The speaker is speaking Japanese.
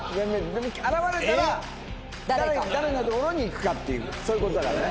現れたら誰の所に行くかっていうそういう事だからね。